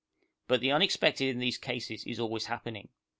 But the unexpected in these cases is always happening.